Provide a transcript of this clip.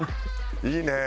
いいね！